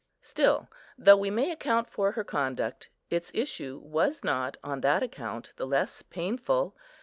Still, though we may account for her conduct, its issue was not, on that account, the less painful.